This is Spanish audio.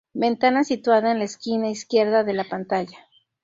Ventana situada en la esquina izquierda de la pantalla.